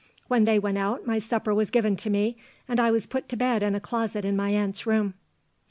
When they went out my supper was given to me, and I was put to bed in a closet in my aunts' room."